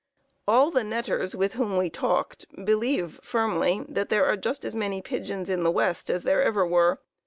"All the netters with whom we talked believe firmly that there are just as many pigeons in the West as there ever were.